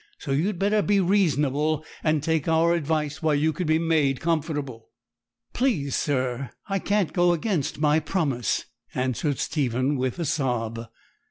So you had better be reasonable, and take our advice while you can be made comfortable.' 'Please, sir, I can't go against my promise,' answered Stephen, with a sob.